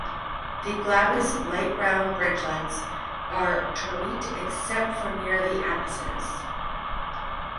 The glabrous light brown branchlets are terete except for near the apices.